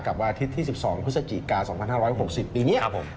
วันอาทิตย์ที่๑๒พฤศจิกา๒๕๖๐ปีนี้